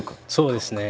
そうですね。